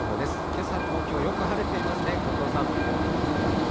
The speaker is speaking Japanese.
けさ、東京、よく晴れていますね、近藤さん。